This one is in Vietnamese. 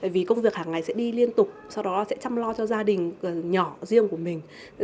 vì công việc hàng ngày sẽ đi liên tục sau đó sẽ chăm lo cho gia đình nhỏ riêng của mình